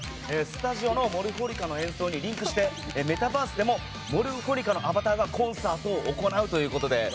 スタジオのＭｏｒｆｏｎｉｃａの演奏にリンクしてメタバースでもＭｏｒｆｏｎｉｃａのアバターがコンサートを行うということで。